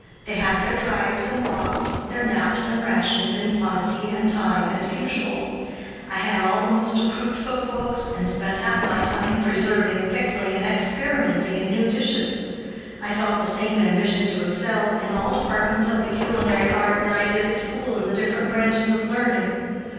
They had their drives and walks, their naps and rations, in quantity and time, as usual. I had all the most approved cook books, and spent half my time preserving, pickling, and experimenting in new dishes. I felt the same ambition to excel in all departments of the culinary art that I did at school in the different branches of learning.